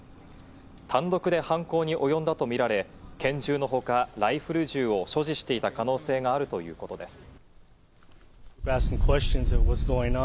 単独で犯行におよんだとみられ、拳銃のほかライフル銃を所持していた可能性があるということです。